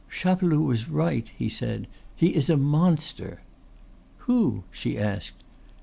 "Chapeloud was right," he said; "he is a monster!" "Who?" she asked.